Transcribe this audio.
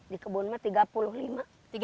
di kebun mah tiga puluh lima